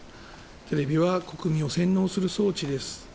テレビは国民を洗脳する装置です。